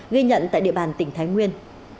ghi nhận tại địa bàn tỉnh thái nguyên